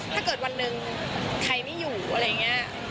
ถ้าเกิดวันหนึ่งใครไม่อยู่อะไรอย่างนี้